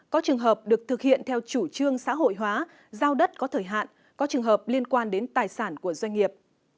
có trường hợp được thực hiện theo chủ trương xã hội hóa giao đất có thời hạn có trường hợp liên quan đến tài sản của doanh nghiệp